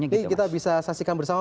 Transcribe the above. jadi kita bisa saksikan bersama